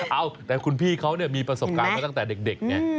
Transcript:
เอาแต่คุณพี่เขามีประสบการณ์มาตั้งแต่เด็กไง